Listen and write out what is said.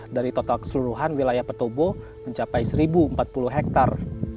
dari total keseluruhan wilayah petobo mencapai satu empat puluh hektare